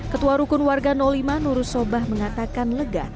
ketua rukun warga lima nurus sobah mengatakan lega